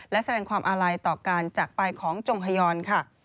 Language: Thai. และแสดงความอาลัยต่อการจากไปของจงฮยอนค่ะ